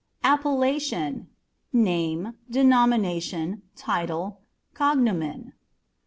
Appellation â€" name, denomination, title, cognomen.